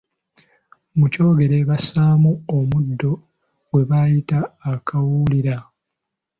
Mu kyogero bassaamu omuddo gwe bayita akawulira.